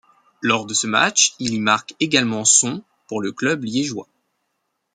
Lors de ce match, il y marque également son pour le club liégeois.